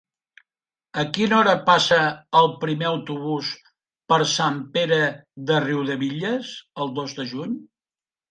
A quina hora passa el primer autobús per Sant Pere de Riudebitlles el dos de juny?